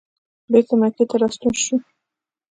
بېرته مکې ته راستون شو.